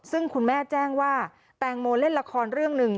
ซึ่งคุณแม่แจ้งว่าแตงโมเล่นละครเรื่องหนึ่ง